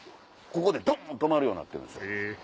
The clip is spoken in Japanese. ここでドン止まるようになってるんですよ。